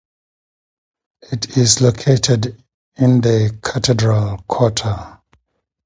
It is located in the Cathedral Quarter.